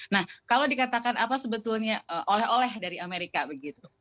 nah kalau dikatakan apa sebetulnya oleh oleh dari amerika begitu